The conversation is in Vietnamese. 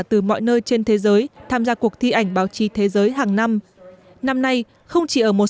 từ mọi nơi trên thế giới tham gia cuộc thi ảnh báo chí thế giới hàng năm năm nay không chỉ ở một